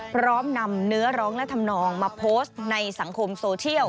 พร้อมนำเนื้อร้องและทำนองมาโพสต์ในสังคมโซเชียล